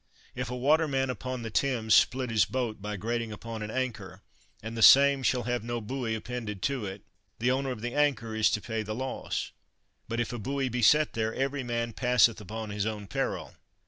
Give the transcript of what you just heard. If a waterman upon the Thames split his boat by grating upon an anchor, and the same have no buoy appended to it, the owner of the anchor is to pay the loss ; but if a buoy be set there, every man passeth upon his own peril.